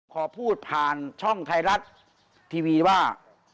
ขอพูดผ่านช่องไทยรัฐทีวีว่า